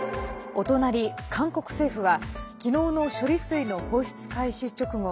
お隣、韓国政府は昨日の処理水の放出開始直後